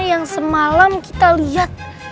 yang semalam kita liat